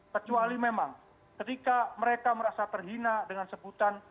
kecuali memang ketika mereka merasa terhina dengan sebutan